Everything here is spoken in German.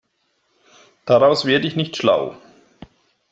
Daraus werde ich nicht schlau.